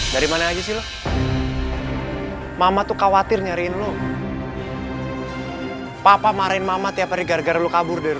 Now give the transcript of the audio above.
dari mana aja sih lo mama tuh khawatir nyariin lo papa marahin mama tiap hari gara gara lu kabur dari